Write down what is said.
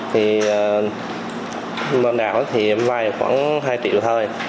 thì ban đầu thì em vay khoảng hai triệu thôi